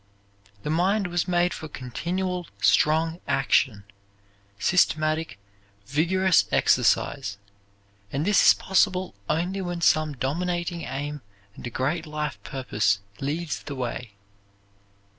The mind was made for continual strong action, systematic, vigorous exercise, and this is possible only when some dominating aim and a great life purpose leads the way.